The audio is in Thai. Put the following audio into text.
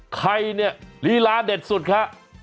ใครเนี่ยลีลาเด็ดสุดคะ